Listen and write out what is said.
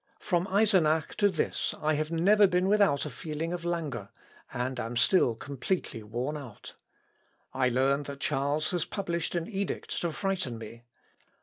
From Eisenach to this I have never been without a feeling of languor, and am still completely worn out. I learn that Charles has published an edict to frighten me.